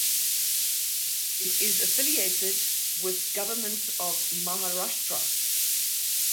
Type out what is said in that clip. It is affiliated with Government of Maharashtra.